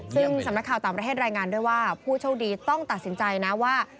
ซึ่งสำนักข่าวต่างประเทศรายงานด้วยว่าผู้โชคดีต้องตัดสินใจนะว่า